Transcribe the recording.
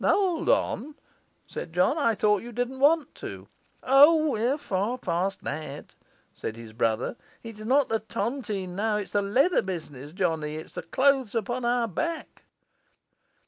'Hold on,' said John. 'I thought you didn't want to?' 'O, we're far past that,' said his brother. 'It's not the tontine now, it's the leather business, Johnny; it's the clothes upon our back.